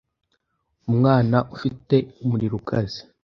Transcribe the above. Umwana ufite umuriro ukaze